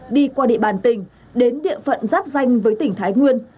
đi qua địa bàn tỉnh đến địa phận giáp danh với tỉnh thái nguyên